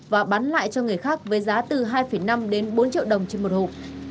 và bán lại cho người khác với giá từ hai năm đến bốn triệu đồng trên một hộp